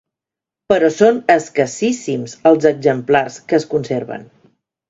Però són escassíssims els exemplars que es conserven.